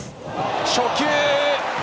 初球！